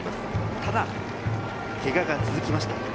ただ、けがが続きました。